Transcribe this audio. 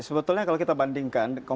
sebetulnya kalau kita bandingkan